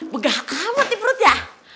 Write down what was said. begah kamu tipe rut ya